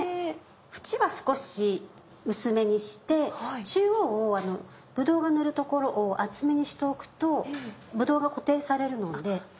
縁は少し薄めにして中央をブドウがのる所を厚めにしておくとブドウが固定されるので。